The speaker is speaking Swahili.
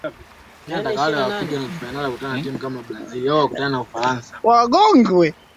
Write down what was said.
Kujibadilisha kwa mwonekano wake ilianza kutambulika